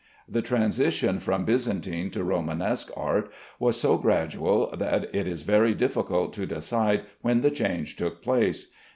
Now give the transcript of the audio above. The transition from Byzantine to Romanesque art was so gradual that it is very difficult to decide when the change took place.